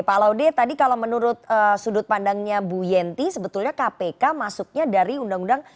pak laude tadi kalau menurut sudut pandangnya bu yenti sebetulnya kpk masuknya dari undang undang